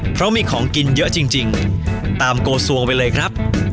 เพราะมีของกินเยอะจริงตามโกสวงไปเลยครับ